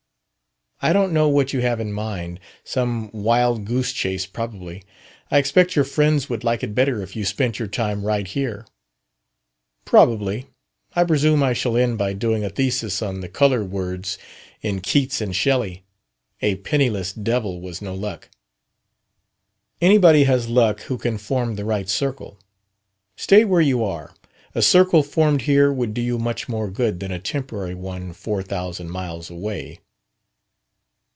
"I don't know what you have in mind; some wild goose chase, probably. I expect your friends would like it better if you spent your time right here." "Probably. I presume I shall end by doing a thesis on the 'color words' in Keats and Shelley. A penniless devil was no luck." "Anybody has luck who can form the right circle. Stay where you are. A circle formed here would do you much more good than a temporary one four thousand miles away."